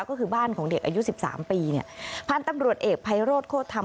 ก็คือบ้านของเด็กอายุสิบสามปีเนี่ยพันธุ์ตำรวจเอกภัยโรธโคตรธรรม